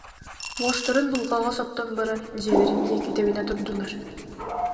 Уостарын дулҕаҕа соттон баран, дьиэлэрин диэки тэбинэ турдулар